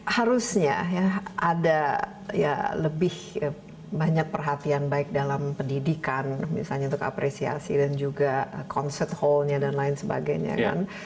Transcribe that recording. harusnya ya ada ya lebih banyak perhatian baik dalam pendidikan misalnya untuk apresiasi dan juga concert hallnya dan lain sebagainya kan